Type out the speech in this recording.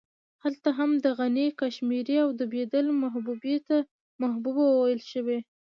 هلته هم د غني کاشمېري او د بېدل محبوبې ته محبوبه ويل شوې.